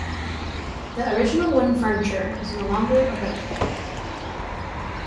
The original wooden furniture is no longer available.